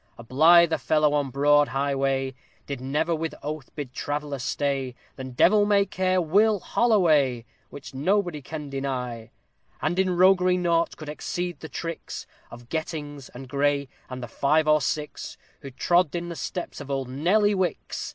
_ A blither fellow on broad highway, Did never with oath bid traveller stay, Than devil may care WILL HOLLOWAY! Which nobody can deny. And in roguery naught could exceed the tricks Of GETTINGS and GREY, and the five or six Who trod in the steps of bold NEDDY WICKS!